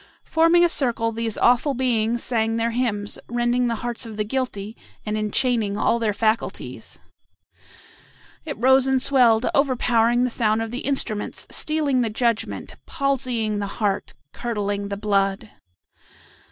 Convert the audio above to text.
Forming a circle, these awful beings sang their hymns, rending the hearts of the guilty, and enchaining all their faculties. It rose and swelled, overpowering the sound of the instruments, stealing the judgment, palsying the heart, curdling the blood.